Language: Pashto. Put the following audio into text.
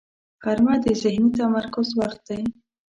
غرمه د ذهني تمرکز وخت دی